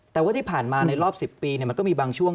แต่ว่าที่ผ่านมาในรอบ๑๐ปีมันก็มีบางช่วง